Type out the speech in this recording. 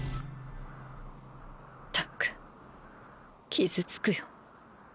ったく傷つくよ。